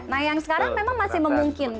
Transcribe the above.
nah yang sekarang memang masih memungkinkan